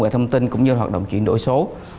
thông tin cũng như hoạt động chuyển đổi số